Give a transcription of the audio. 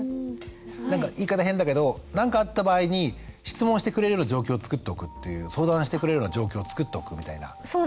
なんか言い方変だけど何かあった場合に質問してくれるような状況をつくっておくっていう相談してくれるような状況をつくっておくみたいな。